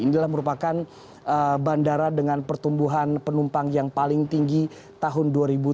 ini adalah merupakan bandara dengan pertumbuhan penumpang yang paling tinggi tahun dua ribu tujuh belas